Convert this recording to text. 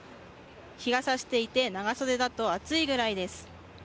日がさしていて、長袖だと暑いぐらいです。